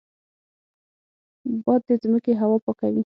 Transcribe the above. باد د ځمکې هوا پاکوي